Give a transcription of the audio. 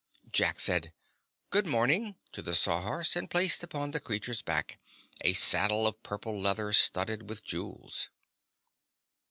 Jack said "Good morning" to the Sawhorse and placed upon the creature's back a saddle of purple leather, studded with jewels.